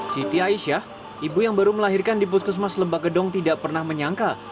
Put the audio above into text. siti aisyah ibu yang baru melahirkan di puskesmas lemba gedong tidak pernah menyangka